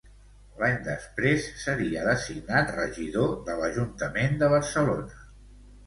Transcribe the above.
L'any després seria designat regidor de l'Ajuntament de Barcelona.